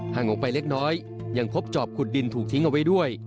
ห่างออกไปเล็กน้อยยังพบจอบขุดดินถูกทิ้งเอาไว้ด้วย